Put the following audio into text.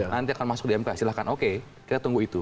nanti akan masuk di mk silahkan oke kita tunggu itu